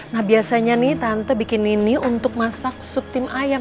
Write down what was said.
nah biasanya nih tante bikin ini untuk masak sup tim ayam